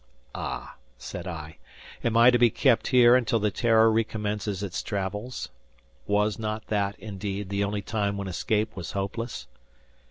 "Ah!" said I, "am I to be kept here until the 'Terror' recommences its travels?" Was not that, indeed, the only time when escape was hopeless?